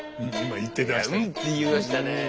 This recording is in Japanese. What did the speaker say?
「ん！」って言いましたね。